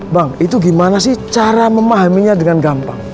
bang itu gimana sih cara memahaminya dengan gampang